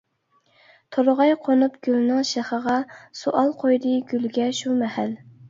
تورغاي قونۇپ گۈلنىڭ شېخىغا، سوئال قويدى گۈلگە شۇ مەھەل.